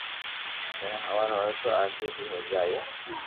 جني ھواري ھوئي تو آگي بي ھوئي جائين